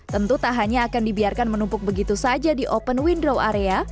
tentu tak hanya akan dibiarkan menumpuk begitu saja di open wind row area